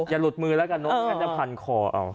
อย่าหลุดมือแล้วกันเนอะแค่จะพันคอเอา